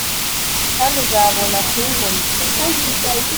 Kandi uzabona kuri horizon